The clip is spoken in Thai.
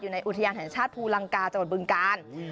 ในอุทยานแห่งชาติภูลังกาจังหวัดบึงกาล